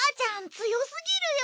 強すぎるよ。